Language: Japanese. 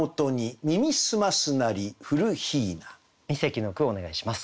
二席の句をお願いします。